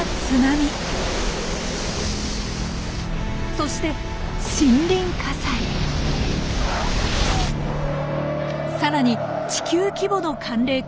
そしてさらに地球規模の寒冷化